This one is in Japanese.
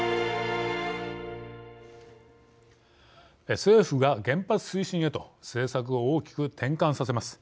政府が原発推進へと政策を大きく転換させます。